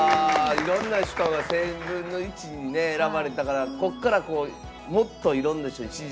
いろんな人が１０００分の１に選ばれたから、こっからもっといろんな人に支持。